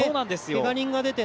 けが人が出て。